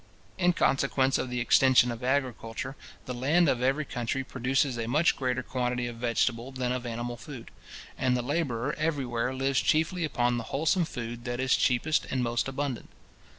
In consequence of the extension of agriculture, the land of every country produces a much greater quantity of vegetable than of animal food, and the labourer everywhere lives chiefly upon the wholesome food that is cheapest and most abundant.